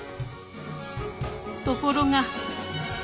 ところが。